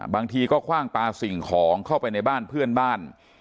บางทีก็คว่างปลาสิ่งของเข้าไปในบ้านเพื่อนบ้าน